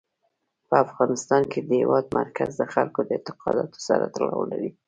په افغانستان کې د هېواد مرکز د خلکو د اعتقاداتو سره تړاو لري.